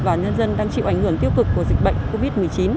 và nhân dân đang chịu ảnh hưởng tiêu cực của dịch bệnh covid một mươi chín